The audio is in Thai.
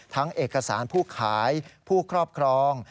เอกสารผู้ขายผู้ครอบครอง